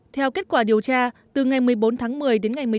theo kết quả điều tra từ ngày một mươi bốn một mươi đến ngày một mươi tám một mươi